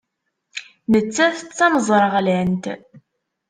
Nettat d tameẓraɣlant.